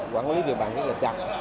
quản lý địa bàn rất là chặt